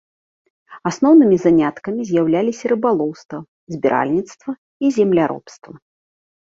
Асноўнымі заняткамі з'яўляліся рыбалоўства, збіральніцтва і земляробства.